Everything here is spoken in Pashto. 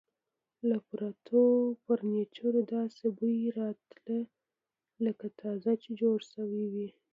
له پرتو فرنیچرو څخه داسې بوی راته، لکه تازه چې جوړ شوي وي.